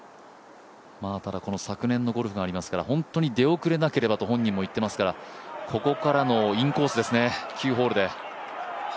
ただ、昨年のゴルフがありますから本当に出遅れなければと本人も言っていますから、ここからのインコースですね、９ホールで。